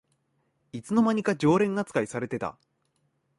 いつの間にか常連あつかいされてた